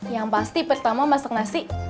yang pasti pertama masak nasi